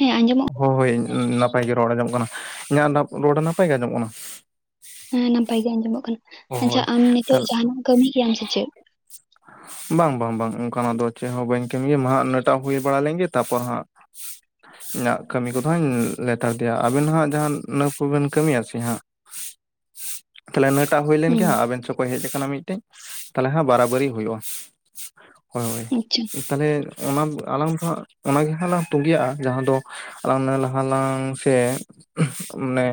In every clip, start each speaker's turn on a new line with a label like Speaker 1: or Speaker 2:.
Speaker 1: ᱦᱮᱸ ᱟᱸᱡᱚᱢ
Speaker 2: ᱦᱳᱭ ᱱᱟᱯᱟᱭ ᱜᱮ ᱨᱚᱲ ᱟᱸᱡᱚᱢᱚᱜ ᱠᱟᱱᱟ ᱾ᱤᱧᱟᱹᱜ ᱨᱚᱲ ᱱᱟᱯᱟᱭ ᱜᱮ ᱟᱸᱡᱚᱢᱚᱜ ᱠᱟᱱᱟ?
Speaker 1: ᱦᱮᱸ ᱱᱟᱯᱟᱭ ᱜᱮ ᱟᱸᱡᱚᱢᱚᱜ ᱠᱟᱱᱟ᱾ ᱟᱪᱪᱷᱟ
Speaker 2: ᱦᱳᱭ
Speaker 1: ᱟᱢ ᱱᱤᱛᱚᱜ
Speaker 2: ᱛᱟᱦᱞᱮ
Speaker 1: ᱡᱟᱦᱟᱸᱱᱟᱜ ᱮᱢ ᱠᱟᱹᱢᱤ ᱠᱮᱭᱟᱢ ᱥᱮ ᱪᱮᱫ?
Speaker 2: ᱵᱟᱝ, ᱵᱟᱝ, ᱵᱟᱝ ᱚᱱᱠᱟᱱᱟᱜ ᱫᱚ ᱪᱮᱜ ᱦᱚᱸ ᱵᱟᱹᱧ ᱠᱟᱹᱢᱤ ᱜᱮᱭᱟ ᱢᱟ ᱱᱟᱹᱴᱟᱜ ᱦᱩᱭ ᱵᱟᱲᱟ ᱞᱮᱱ ᱜᱤ ᱛᱟᱯᱚᱨ ᱦᱟᱸᱜ ᱤᱧᱟᱹᱜ ᱠᱟᱹᱢᱤ ᱠᱚᱫᱚ ᱦᱟᱧ ᱞᱮᱛᱟᱲ ᱤᱫᱤᱭᱟ, ᱟᱵᱮᱱ ᱦᱟᱸᱜ ᱡᱟᱦᱟᱸ ᱤᱱᱟᱹ ᱠᱚᱵᱮᱱ ᱠᱟᱹᱢᱤᱭᱟ ᱥᱮ ᱦᱟᱸᱜ?
Speaker 1: [inaudible]
Speaker 2: ᱛᱟᱦᱚᱞᱮ [inaudible] ᱮᱴᱟᱜ ᱦᱩᱭ ᱞᱮᱱ ᱜᱮ
Speaker 1: ᱦᱩᱸ
Speaker 2: ᱦᱟᱸᱜ ᱟᱵᱮᱱ ᱥᱚᱠᱚ ᱦᱮᱡ ᱠᱟᱱᱟ ᱢᱤᱫᱴᱮᱡ ᱛᱟᱦᱚᱞᱮ ᱦᱟᱸᱜ ᱵᱟᱨᱟᱵᱟᱨᱤ ᱦᱩᱭᱩᱜᱼᱟ᱾ ᱦᱳᱭᱳᱭ
Speaker 1: ᱟᱪᱪᱷᱟ
Speaker 2: ᱛᱟᱦᱞᱮ ᱚᱱᱟ ᱟᱞᱟᱝ ᱫᱚ ᱦᱟᱸᱜ ᱚᱱᱟᱜᱮ ᱦᱟᱸᱜ ᱞᱟᱝ ᱛᱩᱸᱜᱤᱭᱟᱜᱼᱟ, ᱡᱟᱦᱟᱸ ᱫᱚ [inaudible] ᱥᱮ ᱢᱟᱱᱮ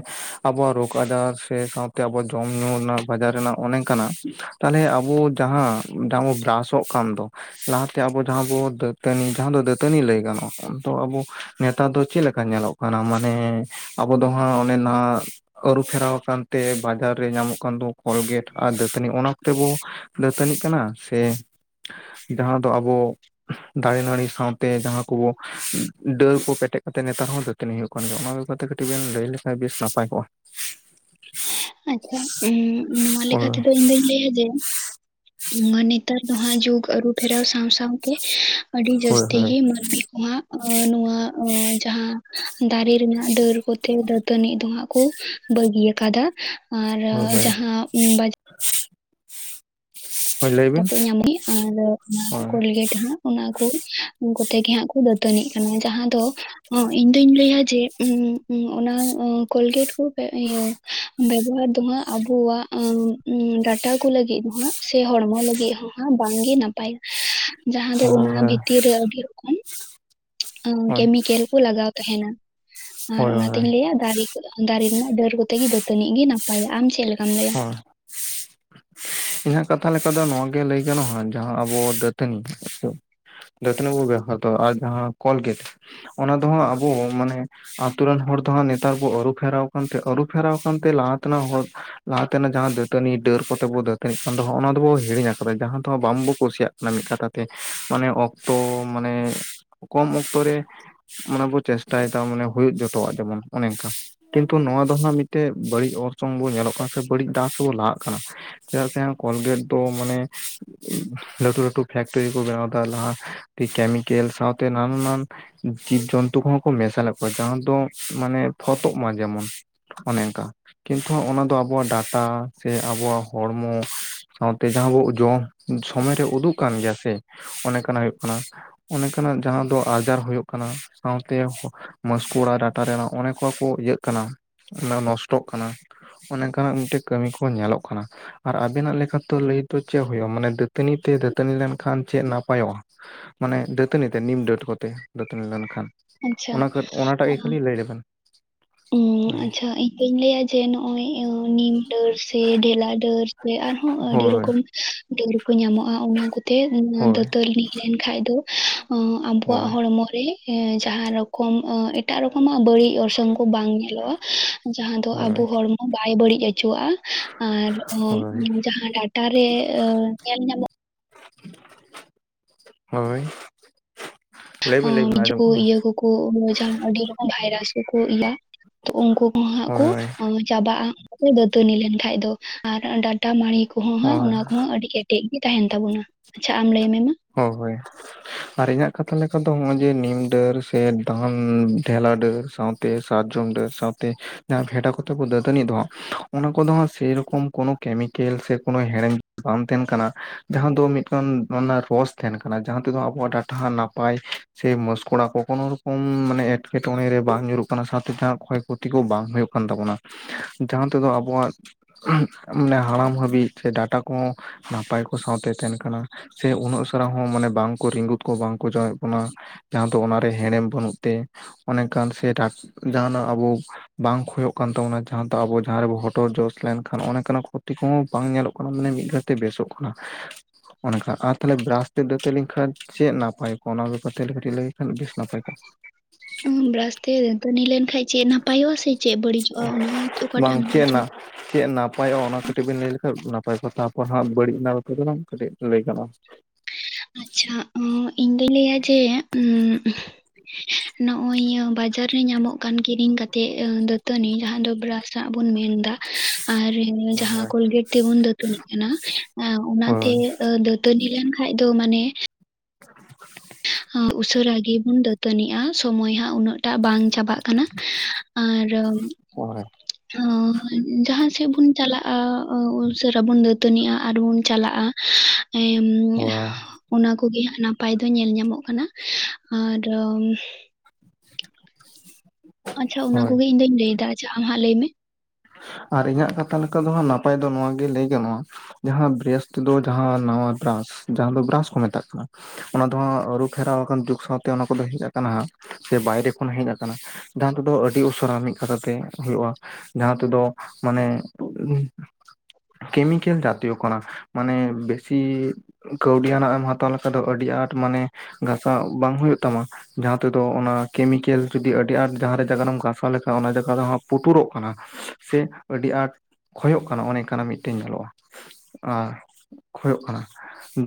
Speaker 2: ᱟᱵᱚᱣᱟᱜ ᱨᱳᱜᱽ ᱟᱡᱟᱨ ᱥᱮ ᱥᱟᱶᱛᱮ ᱟᱵᱚᱣᱟᱜ ᱡᱚᱢ ᱧᱩ ᱱᱟ ᱨᱮᱱᱟᱜ ᱵᱟᱡᱟᱨ ᱨᱮᱱᱟᱜ ᱚᱱᱮ ᱠᱟᱱᱟ ᱛᱟᱦᱚᱞᱮ ᱟᱵᱚ ᱡᱟᱦᱟᱸ ᱡᱟᱦᱟᱸ ᱵᱚ ᱵᱨᱟᱥᱚᱜ ᱠᱟᱱ ᱫᱚ ᱞᱟᱦᱟᱛᱮ ᱟᱵᱚ ᱡᱟᱦᱟᱸ ᱵᱚ ᱫᱟᱹᱛᱟᱹᱱᱤ, ᱡᱟᱦᱟᱸ ᱫᱚ ᱫᱟᱹᱛᱟᱹᱱᱤ ᱞᱟᱹᱭ ᱜᱟᱱᱚᱜᱼᱟ᱾ ᱟᱵᱚ ᱱᱮᱛᱟᱨ ᱫᱚ ᱪᱮᱫ ᱞᱮᱠᱟ ᱧᱮᱞᱚᱜ ᱠᱟᱱᱟ ᱢᱟᱱᱮ ᱟᱵᱚ ᱫᱚ ᱦᱟᱸᱜ ᱚᱱᱮ ᱱᱟᱦᱟᱜ ᱟᱹᱨᱩᱯᱷᱮᱨᱟᱣ ᱠᱟᱱ ᱛᱮ ᱵᱟᱡᱟ ᱨᱮ ᱧᱟᱢᱚᱜ ᱠᱟᱱ ᱫᱚ ᱠᱚᱞᱜᱮᱴ ᱟᱨ ᱫᱟᱹᱛᱟᱹᱱᱤ ᱚᱱᱟ ᱠᱚᱛᱮ ᱵᱚᱱ ᱫᱟᱹᱛᱟᱹᱱᱤᱜ ᱠᱟᱱᱟ, ᱥᱮ ᱡᱟᱦᱟᱸ ᱫᱚ ᱟᱵᱚ ᱫᱟᱨᱮ ᱱᱟᱹᱲᱤ ᱥᱟᱶᱛᱮ ᱡᱟᱦᱟᱸ ᱠᱚᱵᱚ ᱰᱟᱹᱨ ᱠᱚ ᱯᱮᱴᱮᱡ ᱠᱟᱛᱮ ᱱᱮᱛᱟᱨ ᱦᱚᱸ ᱫᱟᱹ ᱛᱱ ᱦᱩᱭᱩᱜ ᱠᱟᱱ ᱜᱮᱭᱟ ᱚᱱᱟ ᱵᱮᱯᱟᱨ ᱛᱮ ᱠᱟᱹᱴᱤᱡ ᱵᱮᱱ ᱞᱟᱹᱭ ᱞᱮᱠᱷᱟᱱ ᱵᱮᱥ ᱱᱟᱯᱟᱭ ᱠᱚᱜᱼᱟ᱾
Speaker 1: ᱟᱪᱷᱟ ᱱᱚᱶᱟ ᱞᱮᱠᱟ
Speaker 2: ᱦᱳᱭ
Speaker 1: ᱛᱮᱫᱚ ᱤᱧ ᱫᱩᱧ ᱞᱟᱹᱭᱟ ᱡᱮ ᱢᱟᱱᱮ ᱱᱮᱛᱟᱨ ᱫᱚᱦᱟᱸᱜ ᱡᱩᱜ ᱟᱹᱨᱩ ᱯᱷᱮᱨᱟᱣ ᱥᱟᱶ-ᱥᱟᱶ ᱥᱟᱶᱛᱮ ᱟᱹᱰᱤ
Speaker 2: ᱦᱳᱭ
Speaker 1: ᱡᱟᱹᱥᱛᱤ
Speaker 2: ᱦᱳᱭ
Speaker 1: ᱜᱮ ᱢᱟᱹᱱᱢᱤ ᱠᱚᱦᱚᱸ ᱱᱚᱣᱟ ᱡᱟᱦᱟᱸ ᱫᱟᱨᱮ ᱨᱮᱱᱟᱜ ᱰᱟᱹᱨ ᱠᱚᱛᱮ ᱫᱟᱹᱛᱟᱹᱱᱤ ᱫᱚᱦᱟᱸᱟᱜ ᱠᱚ ᱵᱟᱹᱜᱤᱭᱟᱠᱟᱫᱟ᱾ ᱟᱨ
Speaker 2: ᱦᱳᱭ
Speaker 1: ᱡᱟᱦᱟᱸ ᱵᱟ
Speaker 2: ᱦᱳᱭ ᱞᱟᱹᱭ ᱵᱤᱱ
Speaker 1: ᱠᱟᱛᱮ ᱧᱟᱢᱚᱜᱼᱟ ᱟᱨ ᱚᱱᱟ
Speaker 2: ᱦᱳᱭ
Speaker 1: ᱠᱳᱞᱜᱮᱴ ᱦᱚᱸ ᱚᱱᱟᱠᱩ ᱩᱸ ᱠᱚᱛᱮ ᱜᱮ ᱦᱟᱸᱜ ᱠᱚ ᱫᱟᱹᱛᱟᱹᱱᱤᱜ ᱠᱟᱱᱟ, ᱡᱟᱦᱟᱸ ᱫᱚ ᱦᱚᱸ ᱤᱧᱫᱩᱧ ᱞᱟᱹᱭᱟ ᱡᱮ ᱩᱸ ᱚᱱᱟ ᱠᱚᱞᱜᱮᱴ ᱠᱚ ᱤᱭᱟᱹ ᱵᱮᱵᱚᱦᱟᱨ ᱫᱚ ᱦᱟᱸᱜ ᱟᱵᱚᱣᱟᱜ ᱰᱟᱴᱟ ᱠᱚ ᱞᱟᱹᱜᱤᱫ ᱫᱚ ᱦᱟᱸᱜ ᱥᱮ ᱦᱚᱲᱢᱚ ᱞᱟᱹᱜᱤᱫ ᱦᱚᱸ ᱵᱟᱝᱜᱮ ᱱᱟᱯᱟᱭᱟ ᱡᱟᱦᱟᱸ ᱫᱚ
Speaker 2: ᱦᱳᱭ
Speaker 1: ᱚᱱᱟ
Speaker 2: ᱦᱳᱭ
Speaker 1: ᱵᱷᱤᱛᱤᱨ ᱨᱮ ᱟᱹᱰᱤ
Speaker 2: ᱦᱳᱭ
Speaker 1: ᱠᱮᱢᱤᱠᱮᱞᱠᱩ ᱞᱟᱜᱟᱣ ᱛᱟᱦᱮᱱᱟ ᱟᱨ ᱚᱱᱟᱛᱤᱧ
Speaker 2: ᱦᱳᱭ
Speaker 1: ᱞᱟᱹᱭᱟ ᱫᱟᱨᱮ ᱫᱟᱨᱮ ᱨᱮᱱᱟᱜ ᱰᱟᱹᱨ ᱠᱚᱛᱮ ᱜᱮ ᱫᱟᱹᱛᱟᱹᱱᱤ ᱜᱮ ᱱᱟᱯᱟᱭᱟ ᱟᱢ ᱪᱮᱫ ᱞᱮᱠᱟᱢ ᱞᱟᱹᱭᱟ?
Speaker 2: ᱦᱳᱭ᱾ ᱤᱧᱟᱹᱜ ᱠᱟᱛᱷᱟ ᱞᱮᱠᱟ ᱫᱚ ᱱᱚᱣᱟᱜᱮ ᱞᱟᱹᱭ ᱜᱟᱱᱚᱜᱼᱟ ᱡᱟᱦᱟᱸ ᱟᱵᱚ ᱫᱟᱹᱛᱟᱹᱱᱤ, ᱫᱟᱹᱛᱟᱹᱱᱤ ᱠᱚᱜᱮ ᱟᱫᱚ ᱟᱨ ᱡᱟᱦᱟᱸ ᱠᱚᱞ ᱜᱮᱫ ᱚᱱᱟ ᱫᱚᱦᱟᱸᱜ ᱟᱵᱚ ᱢᱟᱱᱮ ᱟᱛᱳ ᱨᱮᱱ ᱦᱚᱲ ᱫᱚ ᱦᱟᱸᱜ ᱱᱮᱛᱟᱨ ᱵᱚ ᱟᱹᱨᱩ ᱯᱷᱮᱨᱟᱣ ᱟᱠᱟᱱᱛᱮ, ᱟᱹᱨᱩ ᱯᱷᱮᱨᱟᱣ ᱟᱠᱟᱱᱛᱮ ᱞᱟᱦᱟ ᱛᱮᱱᱟᱜ ᱦᱚᱲ ᱞᱟᱦᱟᱛᱮᱱᱟᱜ ᱡᱟᱦᱟᱸ ᱫᱟᱹᱛᱟᱹᱱᱤ ᱰᱟᱹᱨ ᱞᱟᱦᱟ ᱛᱮᱱᱟ ᱞᱟᱦᱟ ᱠᱚᱛᱮ ᱵᱚ ᱫᱟᱹᱛᱟᱹᱱᱤ ᱠᱟᱱ ᱫᱚᱜ ᱚᱱᱟ ᱫᱚᱵᱚ ᱦᱤᱲᱤᱧ ᱟᱠᱟᱫᱟ ᱡᱟᱦᱟᱸ ᱫᱚᱦ ᱵᱟᱝᱵᱚ ᱠᱩᱥᱤᱭᱟᱜ ᱠᱟᱱᱟ ᱢᱟᱱᱮ ᱢᱤᱫ ᱠᱟᱛᱟᱛᱷᱮ ᱢᱟᱱᱮ ᱚᱠᱛᱚ ᱢᱟᱱᱮ ᱚᱠᱛᱚ ᱢᱟᱱᱮ ᱠᱚᱢ ᱚᱠᱛᱚ ᱨᱮ ᱢᱟᱱᱮ ᱵᱚ ᱪᱮᱥᱴᱟᱭᱮᱫᱟ ᱢᱟᱱᱮ ᱦᱩᱭᱩᱜ ᱡᱚᱛᱚᱣᱟᱜ ᱡᱮᱢᱚᱱ ᱚᱱᱮ ᱚᱱᱠᱟ ᱠᱤᱱᱛᱩ ᱱᱚᱣᱟ ᱫᱚ ᱦᱟᱸᱜ ᱢᱤᱫᱴᱮᱡ ᱵᱟᱹᱲᱤᱡ ᱚᱨᱥᱚᱝ ᱵᱚᱱ ᱧᱮᱞᱚᱜ ᱠᱟᱱᱟ ᱥᱮ ᱵᱟᱹᱲᱤᱡ ᱫᱟᱜ ᱥᱮᱵᱚᱱ ᱞᱟᱦᱟᱜ ᱠᱟᱱᱟ ᱪᱮᱫᱟᱜ ᱥᱮ ᱠᱚᱞᱜᱮᱴ ᱫᱚ ᱢᱟᱱᱮ ᱞᱟᱹᱴᱩ ᱞᱟᱹᱴᱩ ᱯᱷᱮᱠᱴᱨᱤ ᱠᱚ ᱵᱮᱱᱟᱣ ᱫᱟ ᱞᱟᱦᱟ, ᱠᱮᱢᱤᱠᱮᱞ ᱥᱟᱶᱛᱮ ᱱᱟᱱᱟ ᱱᱟᱱ ᱡᱤᱵᱽᱡᱚᱱᱛᱩ ᱠᱚᱦᱚᱸ ᱠᱚ ᱢᱮᱥᱟᱞᱮᱫ ᱠᱚᱣᱟ ᱡᱟᱦᱟᱸ ᱫᱚ ᱢᱟᱱᱮ ᱯᱷᱚᱛᱚᱜ ᱢᱟ ᱡᱮᱢᱚᱱ᱾ ᱚᱱᱮ ᱚᱱᱠᱟ ᱠᱤᱱᱛᱩ ᱚᱱᱟ ᱫᱚ ᱟᱵᱚᱣᱟᱜ ᱰᱟᱴᱟ ᱥᱮ ᱟᱵᱚᱣᱟᱜ ᱦᱚᱲᱢᱚ ᱥᱟᱶᱛᱮ ᱡᱟᱦᱟᱸ ᱵᱚ ᱡᱚᱢ ᱥᱚᱢᱚᱭ ᱨᱮ ᱩᱫᱩᱜ ᱠᱟᱱ ᱜᱮᱭᱟ ᱥᱮ ᱚᱱᱮ ᱠᱟᱱᱟ ᱦᱩᱭᱩᱜ ᱠᱟᱱᱟ ᱚᱱᱮᱠᱟᱱᱟᱜ ᱡᱟᱦᱟᱸ ᱫᱚ ᱟᱡᱟᱨ ᱦᱩᱭᱩᱜᱭᱜ ᱠᱟᱱᱟ, ᱥᱟᱶᱛᱮ ᱢᱟᱥᱠᱩᱲᱟ ᱰᱟᱴᱟᱨ ᱚᱱᱮ ᱠᱚ- ᱠᱚ ᱤᱭᱟᱹᱜ ᱠᱟᱱᱟ ᱚᱱᱟ ᱱᱚᱥᱴᱚᱜ ᱠᱟᱱᱟ ᱚᱱᱮ ᱚᱝᱠᱟᱱᱟᱜ ᱢᱤᱫᱴᱮᱡ ᱠᱟᱹᱢᱤ ᱠᱚ ᱧᱮᱞᱚᱜ ᱠᱟᱱᱟ, ᱟᱨ ᱟᱵᱮᱱᱟᱜ ᱞᱮᱠᱟᱛᱮᱚ ᱞᱟᱹᱭ ᱛᱚ ᱪᱮᱫ ᱦᱩᱭᱩᱜᱭᱳᱼᱟ ᱢᱟᱱᱮ ᱫᱟᱹᱛᱟᱹᱱᱤ ᱛᱮ ᱫᱟᱹᱛᱟᱹᱱᱤ ᱞᱮᱱᱠᱷᱟᱱ ᱪᱮᱫ ᱱᱟᱯᱟᱭᱚᱜᱼᱟ᱾ ᱢᱟᱱᱮ ᱫᱟᱹᱛᱟᱹᱱᱤ ᱛᱮ ᱱᱤᱢ ᱝᱟᱹᱛ ᱠᱚᱛᱮ, ᱫᱟᱹᱛᱱ ᱞᱮᱱᱠᱷᱟᱱ
Speaker 1: ᱟᱪᱪᱷᱟ
Speaker 2: ᱚᱱᱟ ᱚᱱᱟᱴᱟᱜ ᱜᱮ ᱠᱷᱟᱹᱞᱤ ᱞᱟᱹᱭ ᱞᱮᱵᱮᱱ ᱦᱳᱭ
Speaker 1: ᱟᱪᱪᱷᱟ ᱤᱧ ᱫᱩᱧ ᱞᱟᱹᱭᱟ ᱡᱮ ᱱᱚᱜᱼᱚᱭ ᱱᱤᱢ ᱰᱟᱹᱨ ᱥᱮ ᱰᱷᱮᱞᱟ ᱰᱟᱹᱨ ᱥᱮ ᱟᱨᱦᱚᱸ ᱟᱹᱰᱤ
Speaker 2: ᱦᱳᱭ
Speaker 1: ᱨᱚᱠᱚᱢ ᱰᱟᱹᱨᱠᱩ ᱧᱟᱢᱚᱜᱼᱟ ᱚᱱᱟ ᱠᱚᱛᱮ
Speaker 2: ᱦᱳᱭ
Speaker 1: ᱫᱟᱹᱛᱟᱹᱱᱱᱤ ᱞᱮᱱ ᱠᱷᱷᱟᱡ ᱫᱚ ᱟᱵᱚᱣᱟᱜ
Speaker 2: ᱦᱳᱭ
Speaker 1: ᱦᱚᱲᱢᱚ ᱨᱮ ᱦᱮᱸ ᱡᱟᱦᱟᱸ ᱨᱚᱠᱚᱢ ᱮᱴᱟᱜ ᱨᱚᱠᱚᱢᱟᱜ ᱵᱟᱹᱲᱤᱡ ᱚᱨᱥᱚᱝ ᱠᱚ ᱵᱟᱝ ᱧᱮᱞᱚᱜᱼᱟ᱾ ᱡᱟᱦᱟᱸ ᱫᱚ ᱟᱵᱚ
Speaker 2: ᱦᱳᱭ
Speaker 1: ᱦᱚᱲᱢᱚ ᱵᱟᱭ ᱵᱟᱹᱲᱤᱡ ᱚᱪᱚᱣᱟᱜᱼᱟ ᱟᱨ ᱟ
Speaker 2: ᱦᱳᱭ
Speaker 1: ᱡᱟᱦᱟᱸ ᱰᱟᱴᱟ ᱨᱮ ᱧᱮᱞ ᱧᱟᱢᱚᱜ
Speaker 2: ᱦᱳᱭ ᱾
Speaker 1: ᱤᱡ ᱠᱚ ᱤᱭᱟᱹ ᱠᱚᱠᱚ ᱡᱟᱦᱟᱸ ᱟᱹᱰᱤ ᱨᱚᱠᱚᱢ ᱵᱷᱟᱭᱨᱟᱥ ᱠᱚᱠᱚ ᱤᱭᱟ᱾ [inaudible] ᱩᱱᱠᱩ ᱠᱩ ᱦᱟᱸᱜ
Speaker 2: ᱦᱳᱭ
Speaker 1: ᱠᱩ
Speaker 2: ᱦᱳᱭ
Speaker 1: ᱪᱟᱵᱟᱜᱼᱟ ᱾ ᱫᱟᱹᱛᱟᱹᱱᱤ ᱞᱮᱱᱠᱷᱟᱡ ᱫᱚ ᱟᱨ ᱰᱟᱴᱟ ᱢᱟᱸᱲᱤ ᱠᱚᱦᱚᱸ ᱦᱟᱸᱜ
Speaker 2: ᱦᱳᱭ
Speaker 1: ᱚᱱᱟ ᱠᱚ ᱦᱚᱸ ᱟᱹᱰᱤ ᱠᱮᱴᱮᱡ ᱜᱤ ᱛᱟᱸᱦᱮᱱ ᱛᱟᱵᱚᱱᱟ ᱾ ᱟᱪᱪᱷᱟ ᱟᱢ ᱞᱟᱹᱭ ᱢᱮ ᱢᱟ ᱾
Speaker 2: ᱦᱳᱭ, ᱦᱳᱭ ᱾ ᱟᱨ ᱤᱧᱟᱹᱜ ᱠᱟᱛᱷᱟ ᱞᱮᱠᱟ ᱫᱚ ᱱᱚᱜᱼᱚᱭ ᱡᱮ ᱱᱤᱢ ᱰᱟᱹᱨ ᱥᱮ ᱫᱟᱱ ᱰᱷᱮᱞᱟ ᱰᱟᱹᱨ ᱥᱟᱶ ᱛᱮ ᱥᱟᱨᱡᱚᱢ ᱰᱟᱹᱨ ᱥᱟᱶᱛᱮ ᱵᱷᱮᱰᱟ ᱠᱚᱛᱮ ᱠᱚ ᱫᱟᱹᱛᱟᱹᱱᱤ ᱫᱚ, ᱚᱱᱟ ᱠᱚᱸᱫᱚ ᱥᱮᱭ ᱨᱚᱠᱚᱢ ᱠᱳᱱᱳ ᱠᱮᱢᱤᱠᱮᱞ ᱥᱮ ᱠᱳᱱᱳ ᱦᱮᱲᱮᱧ ᱵᱟᱢᱛᱮᱱ ᱠᱟᱱᱟ ᱡᱟᱦᱟᱸ ᱫᱚ ᱢᱤᱫᱴᱟᱱ ᱵᱚᱥ ᱛᱮᱦᱮᱱ ᱠᱟᱱᱟ ᱡᱟᱦᱟᱸ ᱛᱮᱫᱚ ᱟᱵᱚᱣᱟᱜ ᱰᱟᱴᱦᱟ ᱱᱟᱯᱟᱭ ᱥᱮ ᱢᱚᱥᱠᱚᱲᱟ ᱠᱚ ᱠᱳᱱᱳ ᱨᱚᱠᱚᱢ ᱢᱟᱱᱮᱼᱼ ᱮᱸᱴᱠᱮ ᱴᱸᱲᱮᱨᱮ ᱵᱟᱝ ᱧᱩᱨᱩᱜ ᱠᱟᱱᱟ ᱥᱟᱶᱛᱮ ᱮᱴᱟᱜ ᱠᱷᱚᱭ ᱠᱷᱚᱛᱤ ᱠᱚ ᱵᱟᱝ ᱦᱳᱭᱳᱠ ᱠᱟᱱ ᱛᱟᱵᱚᱱᱟ᱾ ᱡᱟᱦᱟᱸ ᱛᱮᱸᱫᱚ ᱟᱵᱚᱣᱟᱜ ᱢᱟᱱᱮ ᱦᱟᱲᱟᱢ ᱦᱟᱹᱵᱤᱡ ᱥᱮ ᱰᱟᱴᱟ ᱠᱚᱸ ᱱᱟᱯᱟᱭ ᱠᱚ ᱥᱟᱶᱛᱮ ᱛᱟᱦᱮᱱ ᱠᱟᱱᱟ ᱥᱮ ᱩᱱᱟᱹᱜ ᱥᱮᱦᱟ ᱦᱚᱸ ᱢᱟᱱᱮ ᱵᱟᱝ ᱠᱚ ᱨᱤᱸᱜᱩᱛ ᱠᱚ ᱵᱟᱝ ᱠᱚ ᱡᱚᱢᱮᱫ ᱵᱚᱱᱟ᱾ ᱡᱟᱦᱟᱸ ᱫᱚ ᱚᱱᱟᱨᱮ ᱦᱮᱲᱮᱢ ᱵᱟᱹᱱᱩᱜ ᱛᱮ ᱚᱱᱮᱠᱷᱟᱱ ᱥᱮ ᱪᱟᱴ ᱡᱟᱦᱟᱱᱟᱜ ᱟᱵᱚᱼᱼ ᱵᱟᱝ ᱠᱷᱚᱭᱚᱜ ᱠᱟᱱ ᱛᱟᱵᱚᱱᱟ ᱡᱟᱦᱟᱸ ᱫᱚ ᱟᱵᱚ ᱡᱟᱦᱟᱸ ᱨᱮᱵᱚ ᱦᱚᱴᱚᱨ ᱡᱚᱥ ᱞᱮᱱᱠᱷᱟᱱ ᱚᱱᱮᱠᱟᱱᱟᱜ ᱠᱷᱚᱛᱤ ᱠᱚᱦᱚᱸ ᱵᱟᱝ ᱧᱮᱞᱚᱜ ᱠᱟᱱᱟ ᱢᱟᱱᱮ ᱢᱤᱫ ᱜᱷᱟᱹᱲᱤᱡ ᱵᱮᱥᱚᱜ ᱠᱟᱱᱟ ᱚᱱᱠᱟ ᱟᱨ ᱛᱟᱦᱞᱮ ᱵᱨᱟᱥᱼᱼ ᱛᱮ ᱫᱟᱹᱛᱟᱹ ᱞᱤᱱᱠᱷᱟᱱ ᱪᱮᱜ ᱱᱟᱯᱟᱭ ᱠᱚᱜ ᱚᱱᱟ ᱵᱮᱯᱟᱨᱛᱮ ᱞᱮ ᱠᱟᱹᱴᱤᱡ ᱞᱟᱹᱭ ᱞᱮᱠᱷᱟᱱ ᱵᱮᱥ ᱱᱟᱯᱟᱭ ᱠᱚᱼᱟ ᱾
Speaker 1: ᱵᱨᱟᱥᱛᱮ ᱫᱟᱹᱨᱟᱹᱱᱤ ᱞᱮᱱᱠᱷᱟᱡ ᱪᱮᱜ ᱱᱟᱯᱟᱭᱚᱜᱼᱟ ᱥᱮ ᱪᱮᱜ ᱵᱟᱹᱲᱤᱡᱚᱜᱼᱟ ᱚᱱᱟ ᱚᱠᱟᱴᱟᱜ ᱮᱢ ᱞᱟᱹᱭ ᱪᱚᱭ᱾
Speaker 2: ᱪᱮᱜ ᱱᱟᱯᱟᱭᱚᱜᱼᱟ ᱚᱱᱟ ᱠᱟᱹᱴᱤᱡ ᱵᱤᱱ ᱞᱟᱹᱭ ᱞᱮᱠᱷᱟᱱ ᱱᱟᱯᱟᱭ ᱠᱚᱜᱼᱟ ᱛᱟᱯᱚᱨ ᱦᱟᱸᱜ ᱵᱟᱹᱲᱤᱡ ᱱᱟᱜ ᱵᱟᱵᱟᱛ ᱫᱚᱞᱟᱝ ᱠᱟᱹᱴᱤᱡ ᱞᱟᱹᱭ ᱜᱟᱱᱚᱜᱼᱟ᱾
Speaker 1: ᱟᱪᱪᱷᱟ ᱤᱧᱫᱩᱧ ᱞᱟᱹᱭᱟ ᱡᱮ ᱩ ᱱᱚᱜᱼᱚᱭ ᱤᱭᱟᱹ ᱵᱟᱡᱟᱨ ᱨᱮ ᱧᱟᱢᱚᱜ ᱠᱟᱱ ᱠᱤᱨᱤᱧ ᱠᱟᱛᱮᱜ ᱫᱟᱹᱛᱟᱹᱱᱤ ᱡᱟᱦᱟᱸ ᱫᱚ ᱵᱨᱟᱥᱼᱼ ᱥᱟᱜ ᱵᱚᱱ ᱢᱮᱱ ᱫᱟ ᱟᱨ ᱡᱟᱦᱟᱸ
Speaker 2: ᱦᱳᱭ
Speaker 1: ᱠᱳᱞᱜᱮᱴ ᱛᱮᱵᱚᱱ ᱫᱟᱹᱛᱟᱹᱱᱤᱜ ᱠᱟᱱᱟ
Speaker 2: ᱦᱳᱭ
Speaker 1: ᱚᱱᱟᱛᱮᱼᱼ ᱫᱟᱹᱛᱟᱹᱱᱤ ᱞᱮᱱᱠᱷᱟᱡ ᱫᱚ ᱢᱟᱱᱮ
Speaker 2: [unintelligible]
Speaker 1: ᱩᱥᱟᱹᱨᱟ ᱜᱤ ᱵᱩᱱ ᱫᱟᱹᱛᱟᱹᱱᱤᱜᱼᱟ᱾ ᱥᱚᱢᱚᱭ ᱦᱟᱸᱜ ᱩᱱᱟᱹᱜ ᱴᱟᱜ ᱵᱟᱝ ᱪᱟᱵᱟᱜ ᱠᱟᱱᱟ ᱟᱨ
Speaker 2: ᱦᱳᱭ
Speaker 1: ᱚᱸ ᱡᱟᱦᱟᱸ ᱥᱮᱜ ᱵᱩᱱ ᱪᱟᱞᱟᱜᱼᱟ ᱩᱥᱟᱹᱨᱟ ᱵᱚᱱ ᱫᱟᱹᱛᱟᱹᱱᱤᱜᱼᱟ ᱟᱨ ᱵᱚᱱ ᱪᱟᱞᱟᱜᱼᱟ ᱾
Speaker 2: ᱦᱳᱭ
Speaker 1: [inaudible] ᱚᱱᱟ ᱠᱚᱜᱮ ᱦᱟᱸᱜ ᱱᱟᱯᱟᱭ ᱫᱚ ᱧᱮᱞ ᱧᱟᱢᱚᱜ ᱠᱟᱱᱟ ᱟᱨ
Speaker 2: [unintelligible]
Speaker 1: ᱟᱪᱪᱷᱟ ᱚᱱᱟ
Speaker 2: ᱦᱳᱭ
Speaker 1: ᱠᱚᱜᱮᱧ ᱤᱧᱫᱩᱧ ᱞᱟᱹᱭᱮᱫᱟ ᱟᱪᱪᱷᱟ ᱟᱢ ᱦᱟᱸᱜ ᱞᱟᱹᱭ ᱢᱮ ᱾
Speaker 2: ᱟᱨ ᱤᱧᱟᱹᱜ ᱠᱟᱛᱷᱟ ᱞᱮᱠᱟ ᱫᱚ ᱦᱟᱸᱜ ᱱᱟᱯᱟᱭ ᱫᱚ ᱱᱚᱣᱟᱜᱮ ᱞᱟᱹᱭ ᱜᱟᱱᱚᱜᱼᱟ᱾ ᱡᱟᱦᱟᱸ ᱵᱨᱮᱥᱛ ᱫᱚ ᱡᱟᱦᱟᱸ ᱱᱟᱣᱟ ᱵᱨᱟᱥ ᱡᱟᱦᱟᱸ ᱫᱚ ᱵᱨᱟᱥ ᱠᱚ ᱢᱮᱛᱟᱜ ᱠᱟᱱᱟ ᱾ ᱚᱱᱟ ᱫᱚ ᱦᱟᱸᱜ ᱟᱹᱨᱩ ᱯᱷᱮᱨᱟᱣ ᱟᱠᱟᱱ ᱡᱩᱜᱽ ᱥᱟᱶᱛᱮ ᱚᱱᱟ ᱠᱚᱫᱚ ᱦᱮᱡ ᱟᱠᱟᱱᱟ ᱥᱮ ᱵᱟᱭᱨᱮ ᱠᱷᱚᱱ ᱦᱮᱡ ᱟᱠᱟᱱᱟ᱾ ᱡᱟᱦᱟᱸ ᱛᱮᱫᱚ ᱟᱹᱰᱤ ᱩᱥᱟᱹᱨᱟ ᱢᱤᱫ ᱠᱟᱛᱷᱟ ᱛᱮ ᱦᱳᱭᱳᱜᱼᱟ᱾ ᱡᱟᱦᱟᱸ ᱛᱮ ᱫᱚ ᱢᱟᱱᱮ ᱠᱮᱢᱤᱠᱮᱞ ᱡᱟᱛᱤᱭᱚ ᱠᱟᱱᱟ ᱢᱟᱱᱮ ᱵᱮᱥᱤ ᱠᱟᱹᱣᱰᱤ ᱟᱱᱟᱜ ᱮᱢ ᱦᱟᱛᱟᱣ ᱞᱮᱠᱷᱟᱡ ᱫᱚ ᱟᱹᱰᱤ ᱟᱸᱴ ᱢᱟᱱᱮ ᱜᱷᱟᱥᱟᱣ ᱵᱟᱝ ᱦᱩᱭᱩᱜ ᱛᱟᱢᱟ᱾ ᱡᱟᱦᱟᱸ ᱛᱮᱫᱚ ᱚᱱᱟ ᱠᱮᱢᱤᱠᱮᱞ ᱡᱚᱫᱤ ᱟᱹᱰᱤ ᱟᱸᱴ ᱡᱟᱦᱟᱸᱨᱮ ᱡᱟᱜᱟ ᱨᱮᱢ ᱜᱟᱥᱟᱣ ᱞᱮᱠᱷᱟᱡ ᱚᱱᱟ ᱡᱟᱜᱟ ᱫᱚ ᱦᱟᱸᱜ ᱯᱩᱴᱩᱨᱚᱜ ᱠᱟᱱᱟ᱾ ᱥᱮ ᱟᱹᱰᱤ ᱟᱸᱴ ᱠᱷᱚᱭᱚᱜ ᱠᱟᱱᱟ ᱚᱱᱮᱚᱝ ᱠᱟᱱᱟᱜ ᱢᱤᱫᱴᱮᱱ ᱧᱮᱞᱚᱜᱼᱟ ᱾ ᱟ ᱠᱷᱚᱭᱚᱜ ᱠᱟᱱᱟ